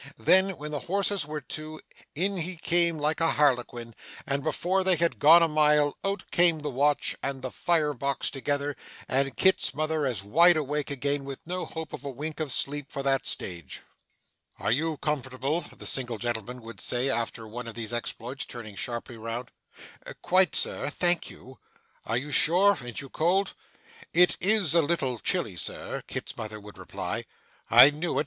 Then, when the horses were to, in he came like a Harlequin, and before they had gone a mile, out came the watch and the fire box together, and Kit's mother as wide awake again, with no hope of a wink of sleep for that stage. 'Are you comfortable?' the single gentleman would say after one of these exploits, turning sharply round. 'Quite, Sir, thank you.' 'Are you sure? An't you cold?' 'It is a little chilly, Sir,' Kit's mother would reply. 'I knew it!